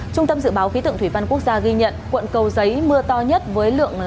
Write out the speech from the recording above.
trung tâm dự báo khí tượng thủy văn quốc gia ghi nhận quận cầu giấy mưa to nhất với lượng